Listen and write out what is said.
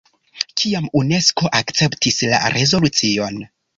Kiam Unesko akceptis la rezolucion?